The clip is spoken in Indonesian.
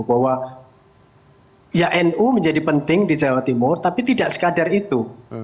bahwa ya nu menjadi penting di jawa timur tapi tidak sekadar itu